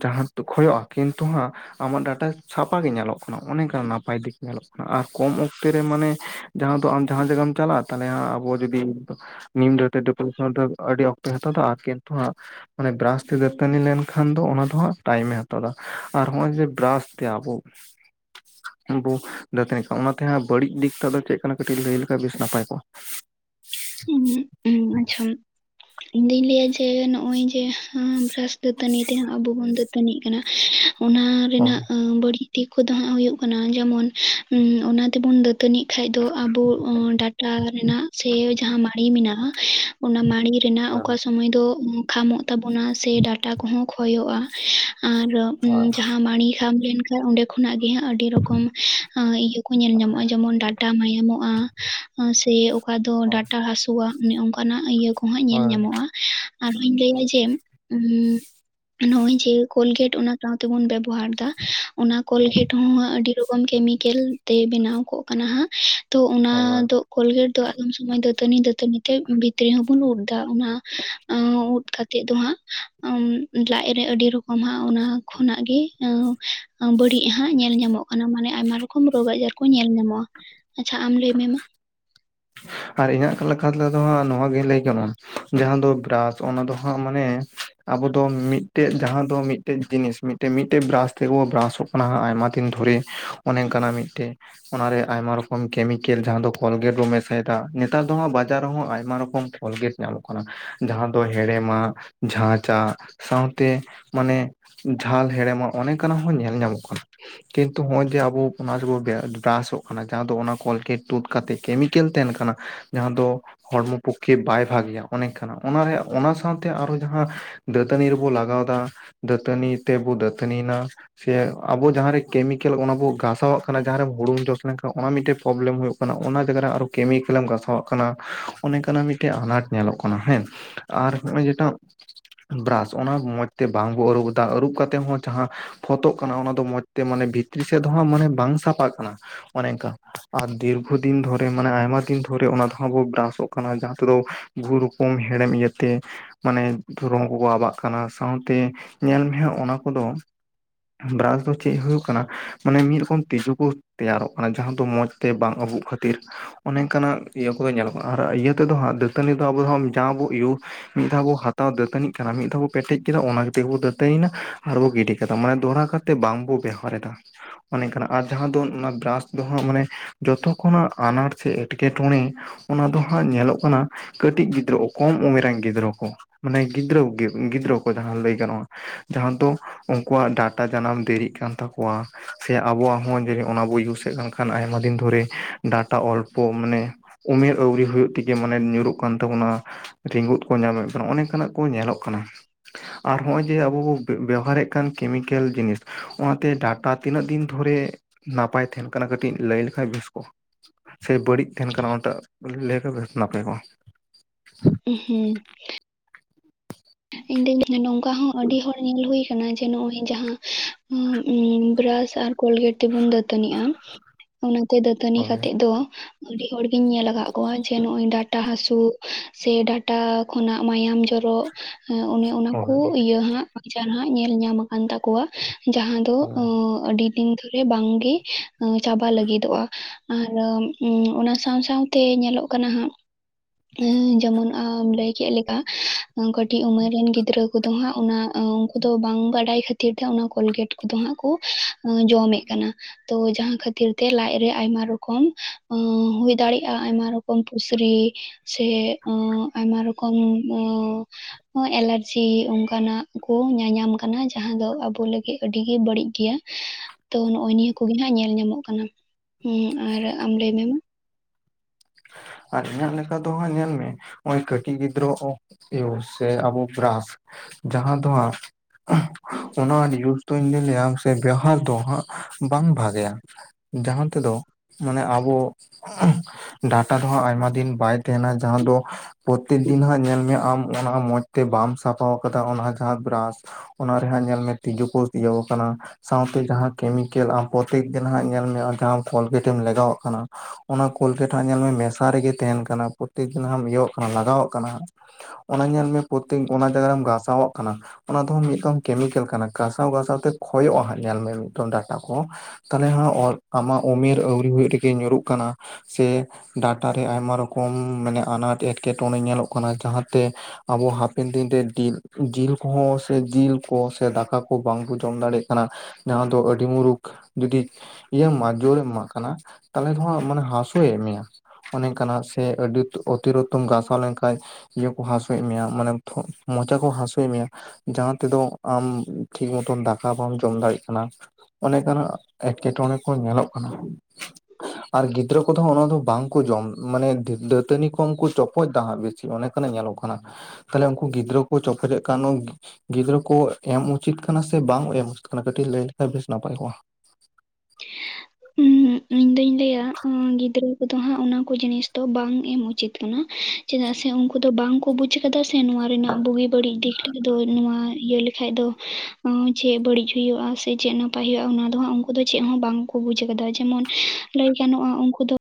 Speaker 2: ᱡᱟᱦᱟᱸ ᱫᱚ ᱠᱷᱚᱭᱚᱜᱼᱟ ᱠᱤᱱᱛᱩ ᱦᱟᱸᱜᱼᱼ ᱟᱢᱟᱜ ᱰᱟᱴᱟ ᱪᱷᱟᱯᱟ ᱜᱮ ᱧᱮᱞᱚᱜ ᱠᱟᱱᱟ ᱚᱱᱮᱚᱝᱠᱟᱱ ᱱᱟᱯᱟᱭ ᱫᱤᱠ ᱧᱮᱞᱚᱜ ᱠᱟᱱᱟ ᱟᱨ ᱠᱚᱢ ᱚᱠᱛᱮ ᱨᱮ ᱢᱟᱱᱮᱼᱼ ᱡᱟᱦᱟᱸ ᱫᱚ ᱟᱢ ᱡᱟᱦᱟᱸ ᱡᱟᱭᱜᱟᱢ ᱪᱟᱞᱟᱜᱼᱟ ᱛᱟᱦᱞᱮ ᱦᱟᱸᱜ ᱟᱵᱚ ᱡᱩᱫᱤ ᱱᱤᱢ ᱰᱟᱹᱴᱤᱛᱮ ᱫᱚ ᱯᱚᱨ ᱫᱚ ᱟᱹᱰᱤ ᱚᱠᱛᱚᱭ ᱦᱟᱛᱟᱣᱫᱟ ᱟᱨ ᱠᱤᱱᱛᱩ ᱦᱟᱸᱜ ᱢᱟᱱᱮ ᱵᱨᱟᱥ ᱛᱮ ᱫᱟᱹᱛᱟᱹᱱᱤ ᱞᱮᱱᱠᱷᱟᱱ ᱫᱚ ᱚᱱᱟ ᱫᱚ ᱦᱟᱸᱜ ᱴᱟᱭᱤᱢᱮ ᱦᱟᱛᱟᱣᱫᱟ ᱟᱨ ᱦᱚᱜᱼᱚᱭ ᱡᱮ ᱵᱨᱟᱥ ᱛᱮ ᱟᱵᱚᱼᱼ
Speaker 1: [unintelligible]
Speaker 2: ᱵᱳ ᱫᱟᱹᱛᱟᱹᱱᱤᱜ ᱠᱟᱱᱟ ᱚᱱᱟᱛᱮ ᱦᱟᱸᱜ ᱵᱟᱹᱲᱤᱡ ᱫᱤᱠ ᱛᱟ ᱫᱚ ᱪᱮᱜ ᱠᱟᱱᱟ ᱠᱟᱹᱴᱤᱡ ᱞᱟᱹᱭ ᱞᱮᱠᱷᱟᱡ ᱵᱮᱥ ᱱᱟᱯᱟᱭ ᱠᱚᱜᱼᱟ᱾
Speaker 1: ᱦᱩᱸ ᱦᱩᱸ ᱟᱪᱪᱷᱟ ᱤᱧᱫᱩᱧ ᱞᱟᱹᱭᱟ ᱡᱮ ᱱᱚᱜ ᱚᱭ ᱡᱮ ᱵᱨᱟᱥ ᱫᱟᱹᱛᱟᱹᱱᱤ ᱛᱮ ᱦᱟᱸᱜ ᱟᱵᱚ ᱵᱚᱱ ᱫᱟᱹ [inaudible] ᱠᱟᱱᱟ ᱚᱱᱟ ᱨᱮᱱᱟᱜ
Speaker 2: ᱦᱳᱭ
Speaker 1: ᱵᱟᱹᱲᱤᱡ ᱫᱤᱠ ᱠᱚᱫᱚ ᱦᱟᱸᱜ ᱦᱩᱭᱩᱜ ᱠᱟᱱᱟ ᱡᱮᱢᱚᱱ ᱚᱱᱟ ᱛᱮᱵᱚᱱ ᱫᱟᱹ᱾ ᱛᱟᱹᱱᱤᱡ ᱠᱷᱟᱱ ᱫᱚ ᱟᱵᱳ ᱰᱟᱴᱟᱸ ᱨᱮᱱᱟᱜ ᱥᱮ ᱡᱟᱦᱟᱸ ᱢᱟᱲᱤ ᱢᱮᱱᱟᱜᱼᱟ᱾ ᱚᱱᱟ ᱢᱟᱲᱤᱸ ᱨᱮᱱᱟ-ᱜ ᱚᱠᱟ ᱥᱚᱢᱚᱭ ᱫᱚ᱾ ᱠᱷᱟᱢᱳ-ᱜ ᱛᱟᱵᱳᱱᱟ᱾ ᱥᱮ ᱰᱟᱴᱟᱸ ᱠᱚ-ᱦᱚᱸ ᱠᱷᱳᱭᱳᱜᱼᱟ᱾ ᱟᱨ
Speaker 2: ᱦᱳᱭ
Speaker 1: ᱡᱟᱦᱟᱸ ᱢᱟᱲᱤᱸ ᱥᱟᱢ ᱞᱮᱱᱠᱷᱟᱱ ᱚᱸᱰᱮ ᱠᱷᱚᱱᱟᱜ ᱜᱮ ᱦᱟᱸᱜ ᱟᱹᱰᱤ ᱨᱚᱠᱚᱢ ᱤᱭᱟᱹ ᱠᱚ ᱧᱮᱞᱧᱟᱢᱚᱜᱼᱟ᱾ ᱡᱮᱢᱚᱱ ᱰᱟᱴᱟᱸ ᱢᱟᱭᱟᱢᱚᱜᱼᱟ ᱾ ᱥᱮ ᱚᱠᱟ ᱫᱚ
Speaker 2: ᱦᱳᱭ
Speaker 1: ᱰᱟᱴᱟᱸ ᱦᱟᱹᱥᱩᱼᱣᱟ᱾ ᱚᱱᱮ ᱚᱱᱠᱟᱱᱟ-ᱜ ᱤᱭᱟᱹ ᱠᱚᱦᱟᱸᱜ ᱧᱮᱞ
Speaker 2: ᱦᱳᱭ
Speaker 1: ᱧᱟᱢᱚᱜᱼᱟ᱾ ᱟᱨᱦᱩᱧ ᱞᱟᱹᱭᱟ ᱡᱮ ᱾ ᱚᱩᱸ ᱱᱚᱜᱼᱚᱭ ᱡᱮ ᱠᱳᱞᱜᱮᱴ ᱚᱱᱟ᱾ ᱥᱟᱶ ᱛᱮᱵᱚᱱ ᱵᱮᱵᱚᱦᱟᱨ ᱮᱫᱟ᱾ ᱚᱱᱟ ᱠᱚᱞᱜᱮᱴᱸ ᱟᱸ ᱟᱹᱰᱤ ᱨᱚᱠᱚᱢ ᱜᱮ ᱠᱮᱢᱤᱠᱮᱞ ᱛᱮ, ᱵᱮᱱᱟᱣ ᱠᱚᱜ ᱠᱟᱱᱟ᱾ ᱦᱟᱸᱜ ᱛᱚ ᱚᱱᱟ
Speaker 2: ᱦᱳᱭ
Speaker 1: ᱫᱚ ᱠᱳᱞᱜᱮᱴ ᱫᱚ ᱟᱫᱚᱢ ᱥᱚᱢᱚᱭ ᱫᱚ᱾ ᱫᱟᱹᱛᱟᱹᱱᱤ, ᱫᱟᱹᱛᱟᱹᱱᱤ, ᱛᱮ ᱵᱷᱽᱤᱛᱨᱤ ᱦᱚᱸᱵᱚᱱ ᱩᱫ ᱮᱫᱟ ᱾ ᱚᱱᱟ ᱩᱫ ᱠᱟᱛᱮᱜ ᱫᱚ ᱦᱟᱸᱜ ᱞᱟᱡ ᱨᱮ ᱟᱹᱰᱤ ᱨᱚᱠᱚᱢ ᱦᱟᱸᱜ ᱚᱱᱟ ᱠᱷᱚᱱᱟ-ᱜ ᱜᱮ ᱵᱟᱹᱲᱤᱡᱽ ᱦᱟᱸᱜ ᱧᱮᱞ ᱧᱟᱢᱚᱜ ᱠᱟᱱᱟ᱾ ᱚᱱᱟ ᱢᱟᱱᱮ ᱟᱭᱢᱟ ᱨᱚᱠᱚᱢ ᱨᱳᱜᱽ ᱟᱡᱟᱨ ᱠᱚ᱾ ᱧᱮᱞ ᱧᱟᱢᱚᱜᱼᱟ ᱾ ᱟᱪᱪᱷᱟ ᱟᱢ ᱞᱟᱹᱭ ᱢᱮ ᱢᱟ?
Speaker 2: ᱟᱨ ᱤᱧᱟᱹᱜ ᱠᱚᱞᱟᱠᱟᱞ ᱛᱮᱫᱚ ᱦᱟᱸᱜ ᱱᱚᱣᱟᱜᱮ ᱞᱟᱹᱭ ᱜᱟᱱᱚᱜᱼᱟ ᱾ᱡᱟᱦᱟᱸ ᱫᱚ ᱵᱨᱟᱥ, ᱚᱱᱟ ᱫᱚᱸ ᱦᱟᱸᱜ ᱢᱟᱱᱮ ᱟᱵᱚ ᱫᱚ ᱢᱤᱫᱴᱮᱡ ᱡᱟᱦᱟᱸ ᱫᱚ ᱢᱤᱫᱴᱮᱡ ᱡᱤᱱᱤᱥ, ᱢᱤᱫᱴᱮᱱ ᱢᱤᱫᱴᱮᱡ ᱵᱨᱟᱥ ᱛᱮᱜᱮᱵᱚ ᱵᱨᱟᱥ ᱚᱯ ᱚᱱᱟ ᱦᱚᱸ ᱟᱭᱢᱟ ᱫᱤᱱ ᱫᱷᱽᱚ ᱨᱮ ᱚᱱᱮ ᱚᱱᱠᱟᱱᱟ ᱢᱤᱫᱴᱮᱱ ᱚᱱᱟᱨᱮ ᱟᱭᱢᱟ ᱞᱮᱠᱟᱱ ᱨᱚᱠᱚᱢ ᱠᱮᱢᱤᱠᱮᱞ ᱡᱟᱦᱟᱸ ᱫᱚ ᱠᱳᱞᱜᱮᱴ ᱨᱚᱢ ᱥᱮᱫᱟ ᱱᱮᱛᱟᱨ ᱫᱚᱸ ᱦᱟᱸᱜ ᱵᱟᱡᱟᱨ ᱨᱮᱦᱚᱸ ᱟᱭᱢᱟ ᱨᱚᱠᱚᱢ ᱠᱳᱞᱜᱮᱴ ᱧᱟᱢᱚ-ᱜ ᱠᱟᱱᱟ᱾ ᱡᱟᱦᱟᱸ ᱫᱚ ᱦᱮᱲᱮᱢᱟ᱾ ᱡᱷᱟᱸᱪᱟ ᱥᱟᱶᱛᱮ ᱢᱟᱱᱮ ᱡᱷᱽᱟᱞ ᱦᱮᱲᱮᱸᱢᱟ᱾ ᱚᱱᱮ ᱠᱟᱱᱟ ᱦᱚᱸ ᱧᱮᱞ ᱧᱟᱢᱚ-ᱜ ᱠᱟᱱᱟ᱾ ᱠᱤᱱᱛᱩ ᱱᱚᱜᱚᱭ ᱡᱮ ᱟᱵᱚ ᱚᱱᱟᱛᱮ ᱵᱚ ᱵᱨᱟᱥᱚ-ᱜ ᱠᱟᱱᱟ᱾ ᱡᱟᱦᱟᱸ ᱫᱚ ᱚᱱᱟ ᱠᱳᱞᱜᱮᱴ ᱛᱩᱫ ᱠᱟᱛᱮ ᱠᱮᱢᱤ ᱠᱮᱞ ᱛᱟᱦᱮᱱ ᱠᱟᱱᱟ ᱾ ᱡᱟᱦᱟᱸ ᱫᱚ ᱦᱚᱲᱢᱚ ᱯᱚᱠᱠᱷᱮ ᱵᱟᱭ ᱵᱷᱽᱟᱜᱮᱼᱭᱟ᱾ ᱚᱱᱮ ᱠᱟᱱᱟ ᱚᱱᱟᱨᱮᱭᱟ ᱚᱱᱟ ᱥᱟᱶᱛᱮ ᱟᱨᱚ ᱦᱚᱸ ᱡᱟᱦᱟᱸ᱾ ᱫᱟᱹᱛᱟᱹᱱᱤ ᱨᱮᱵᱚ ᱞᱟᱜᱟᱣᱫᱟ᱾ ᱫᱟᱹᱛᱟᱹᱱᱤ ᱛᱮᱵᱚ ᱫᱟᱹᱛᱟᱹᱱᱤ ᱭᱮᱱᱟ᱾ ᱥᱮ ᱟᱵᱚ ᱡᱟᱦᱟᱸᱨᱮ ᱠᱮᱢᱤᱠᱮᱞ ᱚᱱᱟ ᱵᱚᱱ ᱜᱟᱥᱟᱣᱟ-ᱜ ᱠᱟᱱᱟ᱾ ᱡᱟᱦᱟᱸᱨᱮ ᱦᱩᱰᱤᱝ ᱡᱚᱥ ᱞᱮᱱᱠᱷᱟᱱ ᱾ ᱚᱱᱟ ᱢᱤᱫᱴᱮᱡ ᱯᱨᱚᱵᱽᱞᱮᱢ ᱦᱩᱭᱩᱼᱜ ᱚᱱᱟ ᱡᱟᱭᱜᱟ ᱨᱮ ᱟᱨᱚ ᱠᱮᱢᱤᱠᱮᱞ ᱮᱢ ᱜᱟᱥᱟᱣᱟ-ᱜ ᱠᱟᱱᱟ᱾ ᱚᱱᱮ ᱠᱟᱱᱟᱜ ᱢᱤᱫᱴᱮᱱ ᱟᱱᱟᱴ ᱧᱮᱞᱚᱜ ᱠᱟᱱᱟ ᱾ᱦᱮᱸ ᱟᱨ ᱱᱩᱜᱼᱩᱭ ᱡᱮᱴᱟ ᱾ ᱵᱨᱟᱥ ᱚᱱᱟ ᱦᱚᱸ ᱢᱚᱸᱡᱽᱷ ᱛᱮ ᱵᱟᱝᱵᱚᱱ ᱟᱹᱨᱩᱵᱫᱟ᱾ ᱟᱹᱨᱩᱵ ᱠᱟᱛᱮᱫ ᱦᱚᱸ ᱡᱟᱦᱟᱸ ᱯᱷᱚᱽᱛᱚᱜ ᱠᱟᱱᱟ᱾ ᱚᱱᱟ ᱫᱚ ᱢᱚᱸ ᱛᱮ ᱢᱟᱱᱮ ᱵᱷᱽᱤᱛᱨᱤ ᱥᱮ ᱫᱚ ᱦᱟᱸ ᱢᱟᱱᱮ ᱵᱟᱝ ᱥᱟᱯᱷᱟᱜ ᱠᱟᱱᱟ᱾ ᱚᱱᱮ ᱚᱱᱠᱟ ᱟᱨ ᱫᱤᱨᱜᱷᱚᱫᱤᱱ ᱫᱷᱽᱚᱨᱮ ᱢᱟᱱᱮ ᱟᱭᱢᱟ ᱫᱤᱱ ᱫᱷᱽᱚᱨᱮ ᱚᱱᱟ ᱛᱮᱦᱚᱸ ᱵᱚ ᱵᱨᱟᱥᱚᱜ ᱠᱟᱱᱟ᱾ ᱡᱟᱦᱟᱸ ᱛᱮᱫᱚ ᱜᱩᱲ ᱨᱚᱠᱚᱢ ᱦᱮᱲᱮᱢ ᱤᱭᱟᱹᱛᱮ᱾ ᱢᱟᱱᱮ ᱫᱷᱽᱚᱨᱚᱢ ᱚᱣᱟ ᱟᱵᱟᱜ ᱠᱟᱱᱟ᱾ ᱥᱟᱶᱛᱮ ᱧᱮᱞ ᱢᱮ ᱦᱟᱸ ᱚᱱᱟ ᱠᱚᱼᱫᱚ ᱵᱨᱟᱥ ᱫᱚ ᱪᱮᱫ ᱦᱩᱭᱩᱜ ᱠᱟᱱᱟ ᱾ᱢᱟᱱᱮ ᱢᱤᱫ ᱨᱚᱠᱚᱢ ᱛᱤᱸᱡᱩ ᱠᱚ ᱛᱮᱭᱟᱨᱚᱜ ᱠᱟᱱᱟ᱾ ᱡᱟᱦᱟᱸ ᱫᱚ ᱢᱚᱸᱡᱽᱷ ᱛᱮ ᱵᱟᱝ ᱟᱹᱵᱩᱜᱽ ᱠᱷᱟᱹᱛᱤᱨ᱾ ᱚᱱᱮ ᱚᱱᱠᱟᱱᱟᱜ ᱤᱭᱟᱹ ᱠᱚᱫᱚ ᱧᱮᱞᱚᱜᱼᱟ᱾ ᱟᱨ ᱤᱭᱟᱹ ᱛᱮᱫᱚ ᱦᱟᱸᱜ᱾ ᱫᱟᱹᱛᱟᱹᱱᱤ ᱫᱚ ᱟᱵᱚ ᱫᱚ ᱡᱟᱸ ᱵᱚᱱ ᱩ᱾ ᱢᱤᱫ ᱫᱷᱟᱣ ᱵᱚ ᱦᱟᱛᱟᱣ ᱫᱟᱹᱛᱟᱹᱱᱤ ᱠᱟᱱᱟ᱾ ᱢᱤᱫ ᱫᱷᱽᱟᱣ ᱵᱚᱱ ᱯᱮᱴᱮᱡ ᱠᱮᱫᱟ ᱾ᱚᱱᱟ ᱛᱮᱜᱮ ᱵᱚ ᱫᱟᱹᱛᱟᱹᱱᱤ ᱭᱤᱱᱟ ᱟᱨᱵᱚ ᱜᱤᱰᱤ ᱠᱮᱫᱟ᱾ ᱢᱟᱱᱮ ᱫᱚᱦᱲᱟ ᱠᱟ᱾ ᱛᱮ ᱵᱟᱝ ᱵᱚ ᱵᱮᱣᱦᱟᱨ ᱮᱫᱟ᱾ ᱚᱱᱮ ᱮᱱᱠᱟᱱᱟ ᱟᱨ ᱡᱟᱦᱟᱸ ᱫᱚ, ᱚᱱᱟ ᱵᱨᱟᱥ ᱫᱚ ᱦᱟᱸᱜ ᱢᱟᱱᱮ ᱡᱚᱛᱚ ᱠᱷᱚᱱᱟ-ᱜ ᱟᱱᱟᱲ ᱪᱮ ᱮᱴᱠᱮᱴᱚᱬᱮᱸ ᱚᱱᱟ ᱫᱚ ᱦᱟᱸᱜ ᱧᱮᱞᱚᱜ ᱠᱟᱱᱟ᱾ ᱠᱟᱹᱴᱤᱡ ᱜᱤᱫᱽᱨᱟᱹ ᱠᱚᱢ ᱩᱢᱮᱨᱟᱱ ᱜᱤᱫᱽᱨᱟᱹ ᱠᱚ᱾ ᱢᱟᱱᱮ ᱜᱤᱫᱽᱨᱟᱹᱜᱮ ᱜᱤᱫᱽᱨᱟᱹ ᱠᱚ, ᱡᱟᱦᱟᱸ ᱞᱟᱹᱭ ᱜᱟᱱᱚᱜᱼᱟ᱾ ᱡᱟᱦᱟᱸ ᱫᱚ ᱩᱱᱠᱩᱣᱟ-ᱜ ᱰᱟᱴᱟᱸ ᱡᱟᱱᱟᱢ ᱫᱮᱨᱤᱜ ᱠᱟᱱ ᱛᱟᱠᱚᱣᱟ ᱾ ᱥᱮ ᱟᱵᱚᱣᱟ-ᱜ ᱦᱚᱸ ᱡᱮ ᱚᱱᱟ ᱵᱚᱱ ᱤᱭᱩᱥ ᱮᱫ ᱠᱟᱱ ᱠᱷᱟᱱ ᱟᱭᱢᱟ ᱫᱤᱱ ᱫᱷᱽᱚᱨᱮ ᱰᱟᱴᱟ ᱚᱞᱯᱚ ᱢᱟᱱᱮ ᱩᱢᱮᱨ ᱟᱹᱣᱨᱤ ᱦᱩᱭᱩᱜ ᱛᱮᱜᱮ ᱢᱟᱱᱮ ᱧᱩᱨᱩᱜ ᱠᱟᱱ ᱛᱟᱵᱚᱱᱟ᱾ ᱨᱤᱸᱜᱩᱫᱽ ᱠᱚ ᱧᱟᱢᱮᱫ ᱠᱟᱱᱟ᱾ ᱚᱱᱮ ᱝᱠᱟᱱᱟᱜ ᱠᱚ ᱧᱮᱞᱚᱜ ᱠᱟᱱᱟ᱾ ᱟᱨ ᱱᱚᱜᱼᱚᱭ ᱡᱮ ᱟᱵᱚ ᱵᱚᱱ ᱵᱮᱵᱚᱦᱟᱨᱮᱫ ᱠᱟᱱ ᱠᱮᱢᱤᱠᱮᱞ ᱡᱤᱱᱤᱥ, ᱚᱱᱟᱛᱮ ᱰᱟᱴᱟᱸ ᱛᱤᱱᱟᱹᱜ ᱫᱤᱱ ᱫᱷᱽᱚᱨᱮ ᱱᱟᱯᱟᱭ ᱛᱟᱦᱮᱱ ᱠᱟᱱᱟ ᱠᱟᱹᱴᱤᱡ ᱞᱟᱹᱭ ᱞᱮᱠᱷᱟᱱ ᱵᱮᱥ ᱠᱚᱜᱼᱟ᱾ ᱥᱮ ᱵᱟᱹᱲᱤᱡ ᱛᱟᱦᱮᱱ ᱠᱟᱱᱟ᱾ ᱚᱱᱟᱴᱟᱜ ᱞᱟᱹᱭ ᱠᱷᱟᱱ ᱵᱮᱥ ᱱᱟᱯᱟᱭ ᱠᱚᱜᱼᱟ ᱾
Speaker 1: ᱦᱩᱸ ᱾ ᱤᱧ ᱫᱩᱧ ᱞᱟᱹᱭ ᱱᱚᱝᱠᱟ ᱦᱚᱸ ᱟᱹᱰᱤ ᱦᱚᱲ ᱧᱮᱞ ᱦᱩᱭ ᱚᱱᱟ ᱡᱮ ᱱᱚᱜᱼᱚᱭ ᱡᱟᱦᱟᱸ ᱵᱨᱟᱥ ᱟᱨ ᱠᱳᱞᱜᱮᱴ ᱛᱮᱵᱚᱱ ᱫᱟᱹᱛᱟᱹᱱᱤᱜᱼᱟ᱾ ᱚᱱᱟᱛᱮ ᱫᱟᱹᱛᱟᱹᱱᱤ
Speaker 2: ᱦᱳᱭ
Speaker 1: ᱠᱟᱛᱮᱜ ᱫᱚ ᱟᱹᱰᱤ ᱦᱚᱲ ᱜᱤᱧ ᱧᱮᱞ ᱟᱠᱟᱫ ᱠᱚᱣᱟ ᱡᱮ ᱱᱚᱜᱼᱚᱭ ᱰᱟᱴᱟ ᱦᱟᱹᱥᱩ ᱥᱮ ᱰᱟᱴᱟ ᱠᱷᱚᱱᱟᱜ ᱢᱟᱭᱟᱢ ᱡᱚᱨᱚᱜ ᱦᱮᱸ ᱚᱱᱮ ᱚᱱᱟ ᱠᱚ
Speaker 2: ᱦᱳᱭ
Speaker 1: ᱤᱭᱟᱹ ᱦᱟᱸᱜ ᱟᱸᱡᱟᱨ ᱦᱟᱸᱜ ᱧᱮᱞ ᱧᱟᱢ ᱟᱠᱟᱱ ᱛᱟᱠᱚᱣᱟ ᱾ ᱡᱟᱦᱟᱸ ᱫᱚ
Speaker 2: ᱦᱳᱭ
Speaker 1: ᱟᱹᱰᱤ ᱫᱤᱱ ᱫᱷᱚᱨᱮ ᱵᱟᱝ ᱜᱮ ᱪᱟᱵᱟ ᱞᱟᱹᱜᱤᱫᱚᱜᱼᱟ ᱾ ᱟᱨ ᱚᱱᱟ ᱥᱟᱶ ᱥᱟᱶᱛᱮ ᱧᱮᱞᱚᱜ ᱠᱟᱱᱟ ᱦᱟᱸᱜ ᱡᱮᱢᱚᱱ ᱟᱢ ᱞᱟᱹᱭ ᱠᱮᱫ ᱞᱮᱠᱟ ᱠᱟᱹᱴᱤᱡ ᱩᱢᱮᱨ ᱨᱮᱱ ᱜᱤᱫᱽᱨᱟᱹ ᱠᱚᱫᱚ ᱦᱟᱸᱜ, ᱚᱱᱟ ᱩᱱᱠᱩ ᱫᱚ ᱵᱟᱝ ᱵᱟᱰᱟᱭ ᱠᱷᱟᱹᱛᱤᱨ ᱛᱮ ᱚᱱᱟ ᱠᱚᱞᱜᱮᱴ ᱠᱚᱫᱚ ᱦᱟᱸᱜ ᱠᱚ ᱡᱚᱢᱮᱫ ᱠᱟᱱᱟ ᱾ ᱛᱚ ᱡᱟᱦᱟᱸ ᱠᱷᱟᱹᱛᱤᱨ ᱛᱮ ᱞᱟᱡᱽᱨᱮ ᱟᱭᱢᱟ ᱨᱚᱠᱚᱢ ᱦᱩᱭ ᱫᱟᱲᱮᱭᱟᱜᱼᱟ ᱟᱭᱢᱟ ᱠᱚᱢ ᱯᱩᱥᱨᱤ ᱥᱮ ᱟᱭᱢᱟ ᱨᱚᱠᱚᱢ ᱮᱞᱟᱨᱡᱤ ᱚᱱᱠᱟᱱᱟᱜ ᱠᱚ ᱧᱟᱧᱟᱢ ᱠᱟᱱᱟ᱾ ᱡᱟᱦᱟᱸ ᱫᱚ ᱟᱵᱚ ᱞᱟᱹᱜᱤᱫ ᱟᱹᱰᱤ ᱜᱤ ᱵᱟᱹᱲᱤᱡ ᱜᱮᱭᱟ ᱾ ᱛᱚ ᱱᱚᱜᱼᱚᱭ ᱱᱤᱭᱟᱹ ᱠᱚᱜᱮ ᱦᱟᱸᱜ ᱧᱮᱞ ᱧᱟᱢᱚᱜ ᱠᱟᱱᱟ ᱾ ᱦᱩᱸ ᱟᱨ ᱟᱢ ᱞᱟᱹᱭ ᱢᱮ ᱢᱟ
Speaker 2: ᱟᱨ ᱤᱧᱟᱹᱜ ᱞᱮᱠᱟ ᱫᱚ ᱦᱟᱸᱜ ᱧᱮᱞ ᱢᱮ ᱱᱚᱜᱼᱚᱭ ᱠᱟᱹᱴᱤᱡ ᱜᱤᱫᱽᱨᱟᱹ ᱦᱚᱸ ᱥᱮ ᱟᱵᱚ ᱯᱨᱟᱥ ᱡᱟᱦᱟᱸ ᱫᱚ ᱦᱟᱸᱜ ᱚᱱᱟ ᱩᱭᱩᱥ ᱛᱚᱧ ᱞᱟᱹᱭ ᱞᱮᱭᱟ ᱥᱮ ᱵᱮᱣᱦᱟᱨ ᱫᱚ ᱦᱟᱸᱜ ᱵᱟᱝ ᱵᱷᱟᱜᱮᱭᱟ ᱾ ᱡᱟᱦᱟᱸ ᱛᱮᱫᱚ ᱢᱟᱱᱮ ᱟᱵᱚ ᱰᱟᱴᱟ ᱫᱚ ᱦᱟᱸᱜ ᱟᱭᱢᱟ ᱫᱤᱱ ᱵᱟᱭ ᱛᱟᱦᱮᱱᱟ ᱡᱟᱦᱟᱸ ᱫᱚ ᱯᱨᱚᱛᱮᱠ ᱫᱤᱱ ᱦᱟᱸᱜ ᱧᱮᱞ ᱢᱮ ᱟᱢ ᱚᱱᱟ ᱢᱚᱸᱡᱽᱛᱮ ᱵᱟᱢ ᱥᱟᱯᱷᱟ ᱟᱠᱟᱫᱟ ᱚᱱᱟ ᱡᱟᱦᱟᱸ ᱵᱨᱟᱥ ᱚᱱᱟ ᱨᱮᱦᱟᱸ ᱧᱮᱞ ᱢᱮ ᱛᱤᱡᱩ ᱠᱚ ᱤᱭᱟᱹ ᱟᱠᱟᱱᱟ ᱥᱟᱶᱛᱮ ᱡᱟᱦᱟᱸ ᱠᱮᱢᱤᱠᱮᱞ ᱟᱢ ᱯᱨᱚᱛᱮᱠ ᱫᱤᱱ ᱦᱟᱸᱜ ᱧᱮᱞ ᱢᱮ ᱡᱟᱦᱟᱸ ᱠᱚᱞᱜᱮᱴ ᱮᱢ ᱞᱟᱜᱟᱣᱟᱜ ᱠᱟᱱᱟ ᱚᱱᱟ ᱠᱳᱞᱠᱮᱴ ᱧᱮᱞ ᱢᱮ ᱢᱮᱥᱟ ᱨᱮᱜᱮ ᱛᱟᱦᱮᱱ ᱠᱟᱱᱟ᱾ ᱯᱨᱚᱛᱮᱠ ᱫᱤᱱ ᱦᱟᱸᱜ ᱤᱭᱟᱹᱣᱟᱜ ᱠᱟᱱᱟ ᱞᱟᱜᱟᱣᱟᱜ ᱠᱟᱱᱟ ᱦᱟᱸᱜ ᱾ ᱚᱱᱟ ᱧᱮᱞ ᱢᱮ ᱯᱨᱚᱛᱮᱠ ᱚᱱᱟ ᱡᱟᱭᱜᱟ ᱨᱮᱢ ᱜᱟᱥᱟᱣᱟᱜ ᱠᱟᱱᱟ ᱾ ᱚᱱᱟ ᱫᱚ ᱢᱤᱫᱴᱟᱝ ᱠᱮᱢᱤᱠᱮᱞ ᱠᱟᱱᱟ᱾ ᱜᱟᱥᱟᱣ ᱜᱟᱥᱟᱣ ᱛᱮ ᱠᱷᱚᱭᱚᱜᱼᱟ ᱦᱟᱸᱜ, ᱧᱮᱞ ᱢᱮ ᱢᱤᱫᱴᱚᱱ ᱰᱟᱴᱟ ᱠᱚ ᱛᱟᱦᱚᱞᱮ ᱦᱚᱸᱜ ᱟᱢᱟᱜ ᱩᱢᱮᱨ ᱟᱹᱣᱨᱤ ᱦᱩᱭᱩᱜ ᱨᱮᱜᱮ ᱧᱩᱨᱩᱜ ᱠᱟᱱᱟ ᱥᱮ ᱰᱟᱴᱟ ᱨᱮ ᱟᱭᱢᱟ ᱨᱚᱠᱚᱢ ᱢᱟᱱᱮ ᱟᱱᱟᱴ ᱮᱴᱠᱮᱴᱚᱬᱮ ᱧᱮᱞᱚᱜ ᱠᱟᱱᱟ ᱾ ᱡᱟᱦᱟᱸ ᱛᱮ ᱟᱵᱚ ᱦᱟᱯᱮᱱ ᱫᱤᱱ ᱨᱮ ᱡᱤᱞ ᱠᱚᱦᱚᱸ ᱥᱮ ᱡᱤᱞ ᱠᱚ ᱥᱮ ᱫᱟᱠᱟ ᱠᱚ ᱵᱟᱝ ᱵᱚᱱ ᱡᱚᱢ ᱫᱟᱲᱮᱭᱟᱜ ᱠᱟᱱᱟ ᱾ ᱡᱟᱦᱟᱸ ᱫᱚ ᱟᱹᱰᱤ ᱢᱩᱨᱩᱠᱷ ᱡᱚᱫᱤ ᱤᱭᱟᱹ ᱮᱢᱟ ᱡᱳᱨᱮᱢ ᱮᱢᱟᱜ ᱠᱟᱱᱟ, ᱛᱟᱦᱚᱞᱮ ᱫᱚ ᱢᱟᱱᱮ ᱦᱟᱸ ᱥᱩᱭᱮᱫ ᱢᱮᱭᱟ, ᱚᱱᱮ ᱚᱱᱠᱟᱱᱟᱜ ᱥᱮ ᱟᱹᱰᱤ ᱚᱛᱤᱨᱤᱛᱚᱢ ᱜᱟᱥᱟᱣ ᱞᱮᱱᱠᱷᱟᱱ ᱤᱭᱟᱹ ᱠᱚ ᱦᱟᱹᱥᱩᱭᱮᱫ ᱢᱮᱭᱟ, ᱢᱟᱱᱮ ᱢᱚᱪᱟ ᱠᱚ ᱦᱟᱹᱥᱩᱭᱮᱫ ᱢᱮᱭᱟ ᱾ ᱡᱟᱦᱟᱸ ᱛᱮᱫᱚ ᱟᱢ ᱴᱷᱤᱠ ᱢᱚᱛᱚᱱ ᱫᱟᱠᱟ ᱵᱟᱢ ᱡᱚᱢ ᱫᱟᱲᱮᱭᱟᱜ ᱠᱟᱱᱟ ᱾ ᱚᱱᱮ ᱚᱱᱠᱟᱱᱟᱜ ᱮᱴᱠᱮ ᱴᱚᱬᱮ ᱠᱚ ᱧᱮᱞᱚᱜ ᱠᱟᱱᱟ ᱟᱨ ᱜᱤᱫᱽᱨᱟᱹ ᱠᱚᱫᱚ ᱚᱱᱟ ᱫᱚ ᱵᱟᱝ ᱠᱚ ᱡᱚᱢ, ᱢᱟᱱᱮ ᱫᱟᱹᱛᱟᱹᱱᱤ ᱠᱷᱚᱱ ᱠᱚ ᱪᱚᱯᱚᱡ ᱫᱟ ᱦᱟᱸᱜ ᱵᱮᱥᱤ ᱚᱱᱮ ᱠᱷᱚᱱᱟᱜ ᱧᱮᱞᱚᱜ ᱠᱟᱱᱟ ᱾ ᱛᱟᱦᱚᱞᱮ ᱩᱱᱠᱩ ᱜᱤᱫᱽᱨᱟᱹ ᱠᱚ ᱪᱚᱯᱚᱡᱮᱫ ᱠᱟᱱ ᱜᱤᱫᱽᱨᱟᱹ ᱠᱚ ᱮᱢ ᱩᱪᱤᱛ ᱠᱟᱱᱟ ᱥᱮ ᱵᱟᱝ ᱮᱢ ᱩᱪᱤᱛ ᱠᱟᱱᱟ ᱾ ᱠᱟᱹᱴᱤᱡ ᱞᱟᱹᱭ ᱞᱮᱠᱷᱟᱱ ᱵᱮᱥ ᱱᱟᱯᱟᱭ ᱠᱚᱜᱼᱟ ᱾
Speaker 1: ᱦᱩᱸ ᱾ ᱤᱧ ᱫᱩᱧ ᱞᱟᱹᱭᱟ ᱜᱤᱫᱽᱨᱟᱹ ᱠᱚᱫᱚ ᱦᱟᱸᱜ, ᱚᱱᱟ ᱠᱚ ᱡᱤᱱᱤᱥ ᱫᱚ ᱵᱟᱝ ᱮᱢ ᱩᱪᱤᱛ ᱠᱟᱱᱟ ᱾ ᱪᱮᱫᱟᱜ ᱥᱮ ᱩᱱᱠᱩ ᱫᱚ ᱵᱟᱝ ᱠᱚ ᱵᱩᱡ ᱟᱠᱟᱫᱟ ᱥᱮ ᱱᱚᱣᱟ ᱨᱮᱱᱟᱜ ᱵᱩᱜᱤ ᱵᱟᱹᱲᱤᱡ ᱫᱤᱠ ᱫᱚ ᱱᱚᱣᱟ ᱤᱭᱟᱹ ᱞᱮᱠᱷᱟᱡ ᱫᱚ ᱪᱮᱫ ᱵᱟᱹᱲᱤᱡ ᱦᱩᱭᱩᱜᱼᱟ ᱥᱮ ᱪᱮᱫ ᱱᱟᱯᱟᱭ ᱦᱩᱭᱩᱜᱼᱟ, ᱚᱱᱟ ᱫᱚ ᱦᱟᱸᱜ ᱩᱱᱠᱩ ᱫᱚ ᱪᱮᱫ ᱦᱚᱸ ᱵᱟᱝ ᱠᱚ ᱵᱩᱡ ᱟᱠᱟᱫᱟ᱾ ᱡᱮᱢᱚᱱ ᱞᱟᱹᱭ ᱜᱟᱱᱚᱜᱼᱟ ᱩᱱᱠᱩ ᱫᱚ